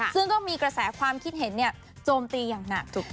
ซึ่งก็มีกระแสความคิดเห็นโจมตีอย่างหนัก